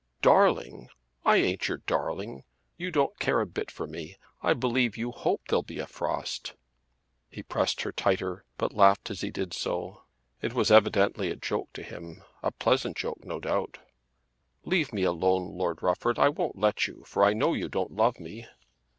"Darling! I ain't your darling. You don't care a bit for me. I believe you hope there'll be a frost." He pressed her tighter, but laughed as he did so. It was evidently a joke to him; a pleasant joke no doubt. "Leave me alone, Lord Rufford. I won't let you, for I know you don't love me."